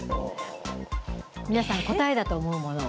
皆さん、答えだと思うものを。